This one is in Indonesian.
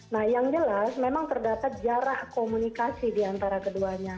nah yang jelas memang terdapat jarak komunikasi diantara keduanya